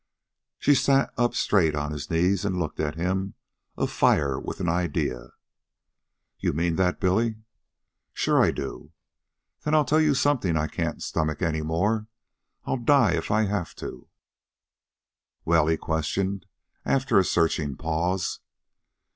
She sat up straight on his knees and looked at him, afire with an idea. "You mean that, Billy?" "Sure I do." "Then I'll tell you something I can't stomach any more. I'll die if I have to." "Well?" he questioned, after a searching pause.